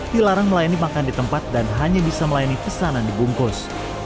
dilarang melayani makan di tempat dan hanya bisa melayani pesanan dibungkus